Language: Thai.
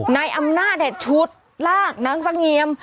นายอำนาจเนี่ยชุดลากนางสง่ะเงียบ